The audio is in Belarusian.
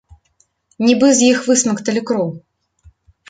Нібы з іх высмакталі кроў.